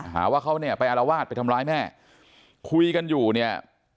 หาว่าเขาเนี่ยไปอารวาสไปทำร้ายแม่คุยกันอยู่เนี่ย